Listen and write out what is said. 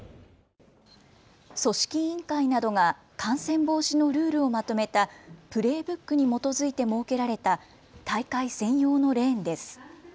組織委員会などが感染防止のルールをまとめたプレーブックに基づいて設けられた大会専用のレーンです。